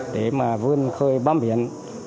để vương khơi bám biển